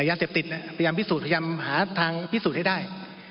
ยาเสพติดพยายามพิสูจน์พยายามหาทางพิสูจน์ให้ได้